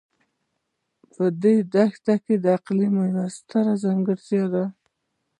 دا دښتې د اقلیم یوه ځانګړتیا ده.